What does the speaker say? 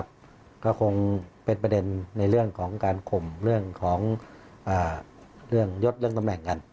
จะคงเป็นประเด็นในเรื่องของการข่มแล้วก็ยดเรื่องตำแหน่งกัน